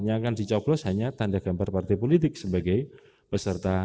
yang akan dicoblos hanya tanda gambar partai politik sebagai peserta